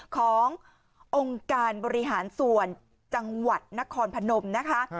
ขององค์การบริหารส่วนจังหวัดนครพนมนะคะ